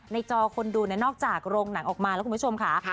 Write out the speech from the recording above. จอคนดูนอกจากโรงหนังออกมาแล้วคุณผู้ชมค่ะ